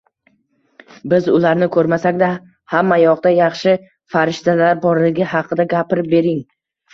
Biz ularni ko‘rmasak-da, hamma yoqda yaxshi farishtalar borligi haqida gapirib bering.